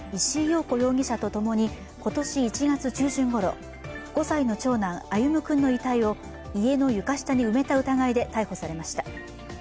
石井陽子容疑者とともに今年１月中旬ごろ、５歳の長男、歩夢君の遺体を家の床下に埋めた疑いで逮捕されました。